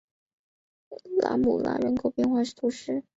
拉穆拉人口变化图示